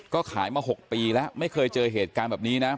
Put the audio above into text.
ก็ขายมา๖ปีแล้วไม่เคยเจอเหตุการณ์แบบนี้นะ